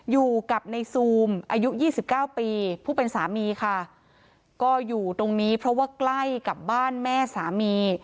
อยู่กับในซูมอายุยี่สิบเก้าปีผู้เป็นสามีค่ะก็อยู่ตรงนี้เพราะว่าใกล้กับบ้านแม่สามี